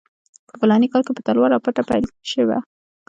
په فلاني کال کې په تلوار او پټه پیل شوه.